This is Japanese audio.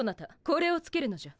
これをつけるのじゃ。